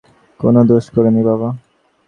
কোনো দোষ কর নি বাবা।